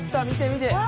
見て見て。